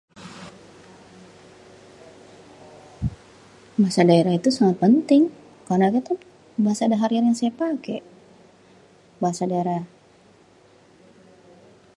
Bahasa daerah itu sangat penting karena itu bahasa harian yang saya pake bahasa daerah.